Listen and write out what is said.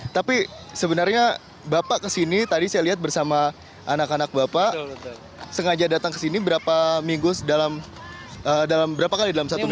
tapi sebenarnya bapak kesini tadi saya lihat bersama anak anak bapak sengaja datang ke sini berapa minggu dalam berapa kali dalam satu minggu